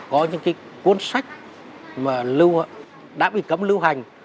có những cái cuốn sách mà đã bị cấm lưu hành